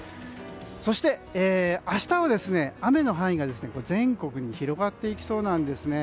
そして明日は雨の範囲が全国に広がっていきそうなんです。